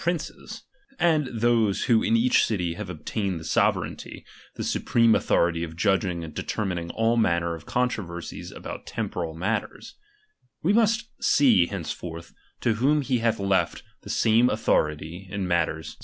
princes, and those who in each city have obtained the sovereignty, the supreme authority of judging and determining all manner of controversies about temporal matters ; we must see henceforth to whom he hath left the same authority in matters